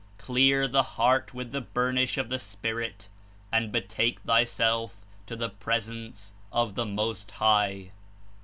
Clear the heart uith the burnish of the Spirit and betake thyself to the Presence of the Most High.''